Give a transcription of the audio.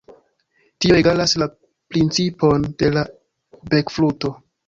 Tio egalas la principon de la bekfluto.